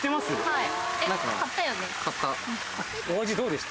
はい。